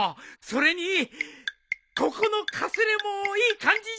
それにここのかすれもいい感じじゃ。